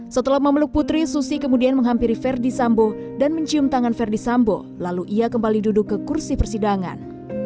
setelah memeluk putri susi kemudian menghampiri verdi sambo dan mencium tangan verdi sambo lalu ia kembali duduk ke kursi persidangan